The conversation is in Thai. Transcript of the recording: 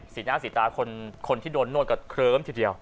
สีหน้าสีตาคนที่โดนนวดก็เคลิ้มทีเดียว